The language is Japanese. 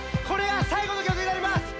これが最後の曲になります！